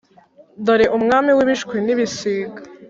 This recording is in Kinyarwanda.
dore umwami w'ibishwin'ibisiga!